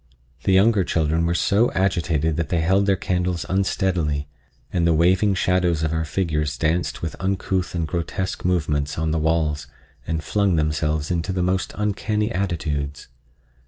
The younger children were so agitated that they held their candles unsteadily, and the waving shadows of our figures danced with uncouth and grotesque movements on the walls and flung themselves into the most uncanny attitudes.